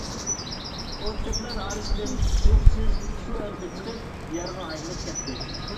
ئوت-چۆپلەر ئارىسىدىن تۇيۇقسىز سۇ ئېتىلىپ چىقىپ يارغا ئايلىنىپ كەتتى.